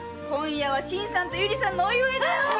今夜は新さんと百合さんのお祝いだよ！